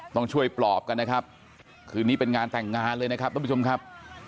ต้องช่วยปลอบกันนะครับคืนนี้เป็นงานแต่งงานเลยนะครับท่านผู้ชมครับ